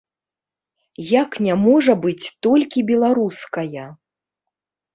Як не можа быць толькі беларуская.